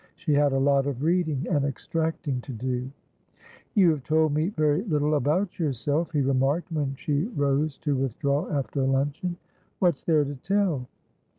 She had a lot of reading and extracting to do. "You have told me very little about yourself," he remarked, when she rose to withdraw after luncheon. "What's there to tell?"